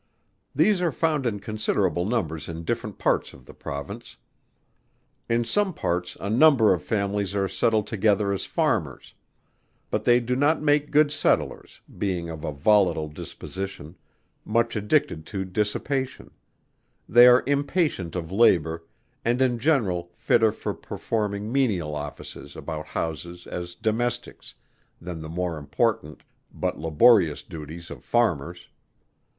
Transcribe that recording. These are found in considerable numbers in different parts of the Province. In some parts a number of families are settled together as farmers; but they do not make good settlers, being of a volatile disposition, much addicted to dissipation; they are impatient of labour, and in general fitter for performing menial offices about houses as domestics, than the more important, but laborious duties of farmers.